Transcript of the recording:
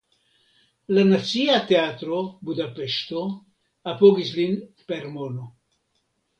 La Nacia Teatro (Budapeŝto) apogis lin per mono.